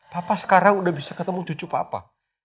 papa sekarang udah bisa ketemu cucu papa